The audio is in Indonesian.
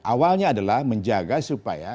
awalnya adalah menjaga supaya